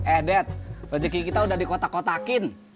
edet rezeki kita udah dikotak kotakin